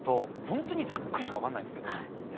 ホントにざっくりしか分かんないですけど。